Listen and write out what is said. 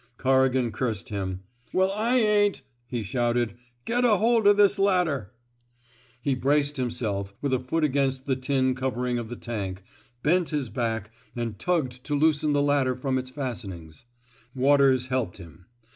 '' Corrigan cursed him. Well, I ain%'' he shouted. Get a hold o' this ladder I '* He braced himself, with a foot against the tin covering of the tank, bent his back, and tugged to loosen the ladder from its fasten ings. Waters helped him.